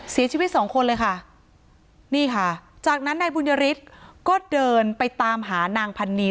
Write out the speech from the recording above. เสียชีวิตสองคนเลยค่ะนี่ค่ะจากนั้นนายบุญยฤทธิ์ก็เดินไปตามหานางพันนี